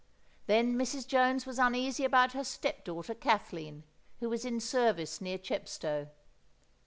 Then Mrs. Jones was uneasy about her step daughter, Kathleen, who was in service near Chepstow.